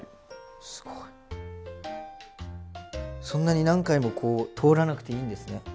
そんなに何回もこう通らなくていいんですね。